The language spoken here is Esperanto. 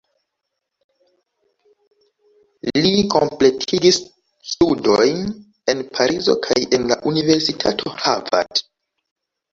Li kompletigis studojn en Parizo kaj en la Universitato Harvard.